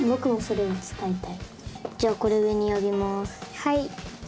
はい。